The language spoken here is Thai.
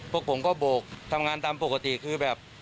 พวกผมก็โบกทำงานตามปกติคือแบบ